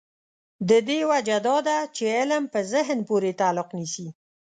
د دې وجه دا ده چې علم په ذهن پورې تعلق نیسي.